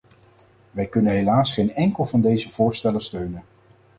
Wij kunnen helaas geen enkel van deze voorstellen steunen.